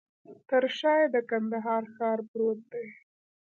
تر شاه یې د کندهار ښار پروت دی.